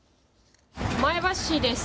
前橋市です。